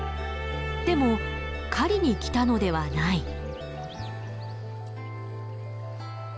でも狩りに来たのではない。